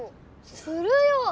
するよ！